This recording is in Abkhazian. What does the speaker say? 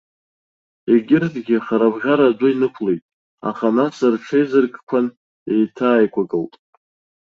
Егьырҭгьы харабӷьара адәы инықәлеит, аха нас рҽеизыркқәан, еиҭааикәагылт.